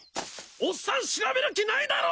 おっさん調べる気ないだろ！